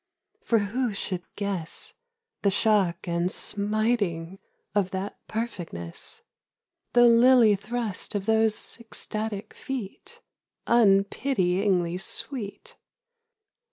For who should guess The shock and smiting of that perfectness? The lily thrust of those ecstatic feet Unpityingly sweet?